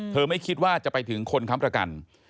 ไม่คิดว่าจะไปถึงคนค้ำประกัน